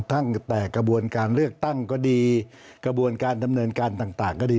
ตั้งแต่กระบวนการเลือกตั้งก็ดีกระบวนการดำเนินการต่างก็ดี